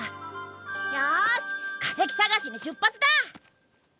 よし化石探しに出発だ！